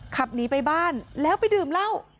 ขับหนีไปบ้านแล้วไปดื่มเหล้า